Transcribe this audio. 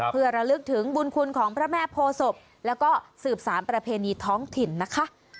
เพื่อระลึกถึงบุญคุณของพระแม่โพศพแล้วก็สืบสารประเพณีท้องถิ่นนะคะ